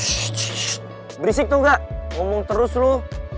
shhh berisik tau gak ngomong terus lo